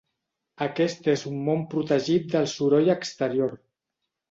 Aquest és un món protegit del soroll exterior.